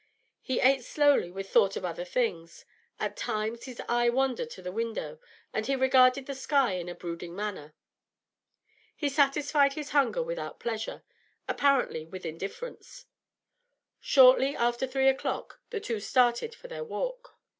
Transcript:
He ate slowly, with thought of other things; at times his eye wandered to the window, and he regarded the sky in a brooding manner. He satisfied his hunger without pleasure, apparently with indifference. Shortly after three o'clock the two started for their walk.